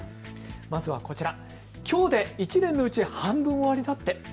まずはこちら。